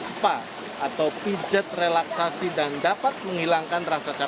selain itu kan juga bisa menikmati sepa atau pijat relaksasi dan dapat menghilangkan rasa capek anda